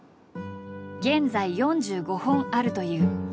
現在４５本あるという。